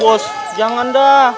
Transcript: bos jangan dah